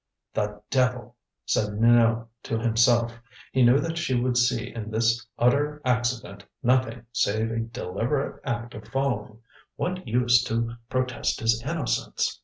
"The devil!" said Minot to himself. He knew that she would see in this utter accident nothing save a deliberate act of following. What use to protest his innocence?